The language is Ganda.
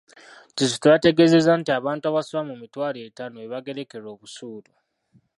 Kizito yategeezezza nti abantu abasoba mu mitwalo etaano be baagerekerwa busuulu.